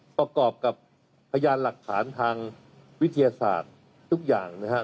ประกอบกับพยานหลักฐานทางวิทยาศาสตร์ทุกอย่างนะครับ